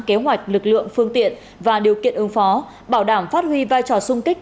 kế hoạch lực lượng phương tiện và điều kiện ứng phó bảo đảm phát huy vai trò sung kích